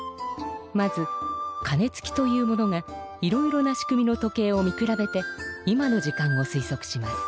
まず「かねつき」という者がいろいろな仕組みの時計を見くらべて今の時間をすいそくします。